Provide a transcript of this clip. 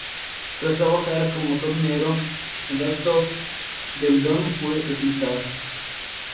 Tras trabajar como tornero en Rostov del Don fue reclutado.